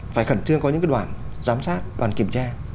phải khẩn trương có những đoàn giám sát đoàn kiểm tra